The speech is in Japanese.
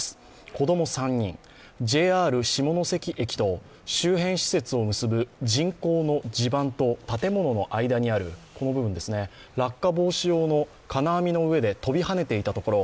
子供３人、ＪＲ下関駅と周辺施設を結ぶ人工の地盤と建物の間にあるこの部分ですね、落下防止用の金網の上で跳びはねていたところ、